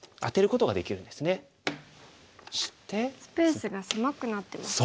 スペースが狭くなってますね。